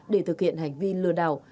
để thực hiện hành vi lừa đào